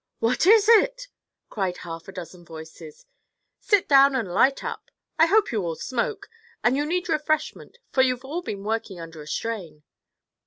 "What is it?" cried half a dozen voices. "Sit down and light up. I hope you all smoke? And you need refreshment, for you've been working under a strain."